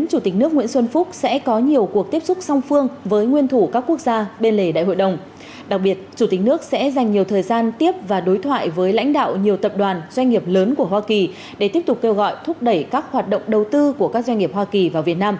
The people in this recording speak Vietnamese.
đặc chủ tịch nước sẽ dành nhiều thời gian tiếp và đối thoại với lãnh đạo nhiều tập đoàn doanh nghiệp lớn của hoa kỳ để tiếp tục kêu gọi thúc đẩy các hoạt động đầu tư của các doanh nghiệp hoa kỳ vào việt nam